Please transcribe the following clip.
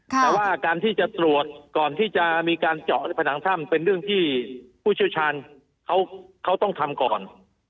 แต่ว่าการที่จะตรวจก่อนที่จะมีการเจาะผนังถ้ำเป็นเรื่องที่ผู้เชี่ยวชาญเขาต้องทำก่อน